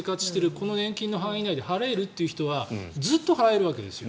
この年金の範囲内で払える人はずっと払えるわけですよ。